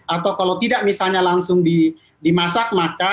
atau kalau tidak misalnya langsung dimasak